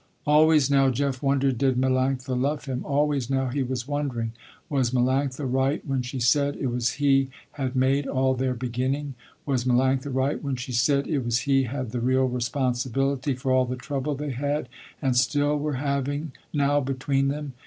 Always now Jeff wondered did Melanctha love him. Always now he was wondering, was Melanctha right when she said, it was he had made all their beginning. Was Melanctha right when she said, it was he had the real responsibility for all the trouble they had and still were having now between them.